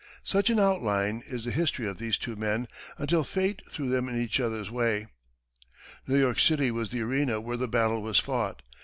Such, in outline, is the history of these two men until Fate threw them in each other's way. New York City was the arena where the battle was fought.